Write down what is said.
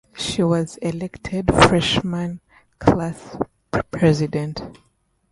She was elected Freshman class president.